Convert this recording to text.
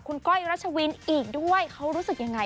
คุณก้อยรัชวินอีกด้วยเขารู้สึกยังไง